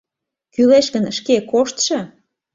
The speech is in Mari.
Кӱлеш гын, шке коштшо.